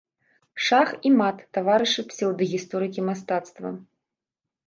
Шах і мат, таварышы псеўдагісторыкі мастацтва!